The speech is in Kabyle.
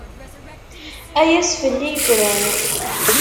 Ay ass fell-i yefran.